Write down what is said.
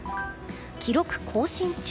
記録更新中。